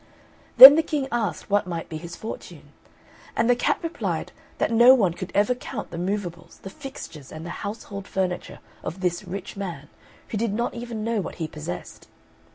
Then the King asked what might be his fortune; and the cat replied that no one could ever count the moveables, the fixtures, and the household furniture of this rich man, who did not even know what he possessed.